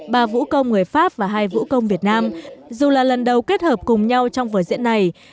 ba vũ công người pháp và hai vũ công việt nam dù là lần đầu kết hợp cùng nhau trong vở diễn này